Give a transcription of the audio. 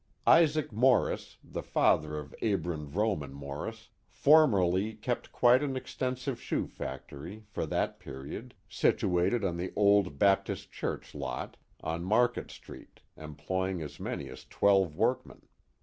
Isaac Morris, the father of Abram Vrooman Morris, for merly kept quite an extensive shoe factory, for that period. r72 The Mohawk Valley situated on the old Baptist Church lot, on Market Street, em ploying as many as twelve workmen.